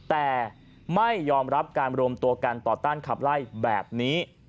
แต่ไม่ยอมรับการรวมตัวกันต่อต้านขับไล่แบบนี้